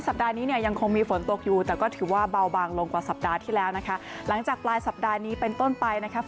สัปดาห์นี้เนี่ยยังคงมีฝนตกอยู่แต่ก็ถือว่าเบาบางลงกว่าสัปดาห์ที่แล้วนะคะหลังจากปลายสัปดาห์นี้เป็นต้นไปนะครับ